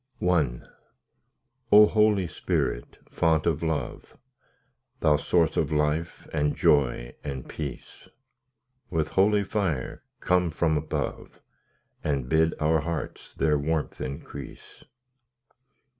I O Holy Spirit, font of love, Thou source of life, and joy, and peace, With holy fire come from above, And bid our hearts their warmth increase.